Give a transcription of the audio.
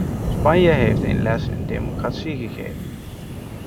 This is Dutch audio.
Spanje heeft een les in democratie gegeven.